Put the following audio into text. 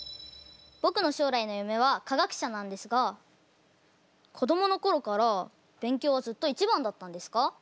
ぼくの将来の夢は科学者なんですが子どものころから勉強はずっと１番だったんですか？